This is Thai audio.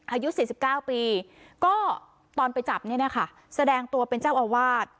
อายุ๔๙ปีก็ตอนไปจับเนี่ยนะคะแสดงตัวเป็นเจ้าอาวาส